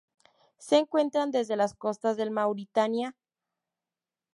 Se encuentran desde las costas de Mauritania hasta las del República del Congo.